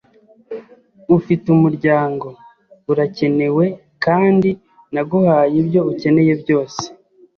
ufite umuryango, urakenewe kandi naguhaye ibyo ukeneye byose.